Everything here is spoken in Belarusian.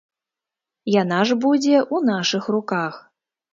Яна ж будзе ў нашых руках.